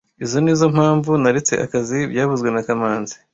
Izoi nizoo mpamvu naretse akazi byavuzwe na kamanzi